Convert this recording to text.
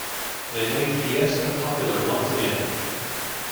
They made Fiesta popular once again.